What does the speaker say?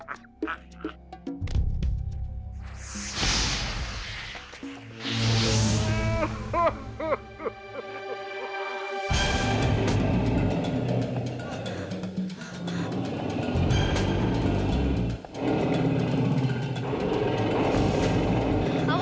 aku juga tak mau